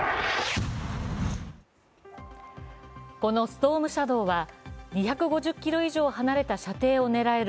このストームシャドーは２５０ｋｍ以上離れた射程を狙える